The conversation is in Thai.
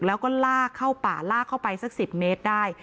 แล้วก็ลากเข้าป่าลากเข้าไปสัก๑๐เมตรได้